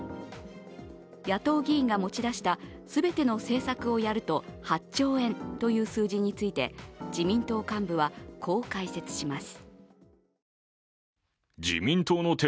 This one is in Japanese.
野党議員が持ち出した全ての政策をやると８兆円という数字について自民党幹部は、こう解説します。